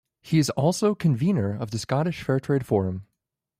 He is also convener of the Scottish Fairtrade Forum.